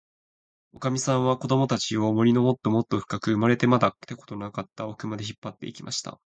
おかみさんは、こどもたちを、森のもっともっとふかく、生まれてまだ来たことのなかったおくまで、引っぱって行きました。